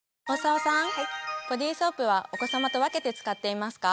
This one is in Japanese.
ボディソープはお子さまと分けて使っていますか？